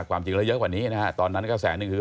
ความจริงแล้วเยอะกว่านี้นะฮะตอนนั้นก็แสนหนึ่งคือ